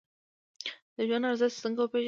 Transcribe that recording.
د ژوند ارزښت څنګه وپیژنو؟